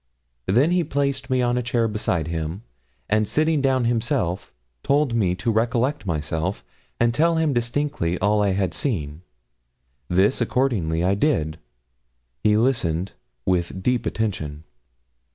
Then he placed me on a chair beside him, and sitting down himself, told me to recollect myself, and tell him distinctly all I had seen. This accordingly I did, he listening with deep attention.